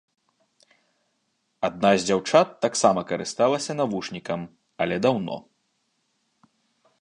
Адна з дзяўчат таксама карысталася навушнікам, але даўно.